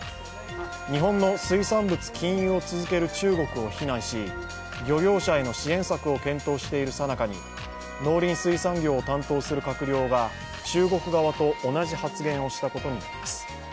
日本の水産物禁輸を続ける中国を非難し、漁業者への支援策を検討しているさなかに農林水産業を担当する閣僚が中国側と同じ発言をしたことになります。